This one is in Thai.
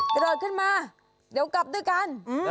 เกิดขึ้นมาเดี๋ยวกลับด้วยกัน